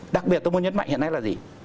đặc biệt tôi muốn nhấn mạnh hiện nay là gì